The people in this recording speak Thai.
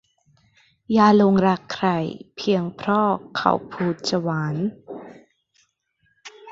อย่าหลงรักใครเพียงเพราะเขาพูดจาหวาน